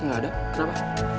gak ada kenapa